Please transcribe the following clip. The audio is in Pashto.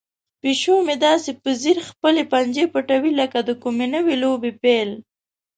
پیشو مې داسې په ځیر خپلې پنجې پټوي لکه د کومې نوې لوبې پیل.